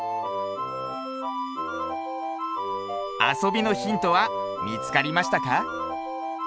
あそびのヒントはみつかりましたか？